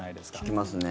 聞きますね。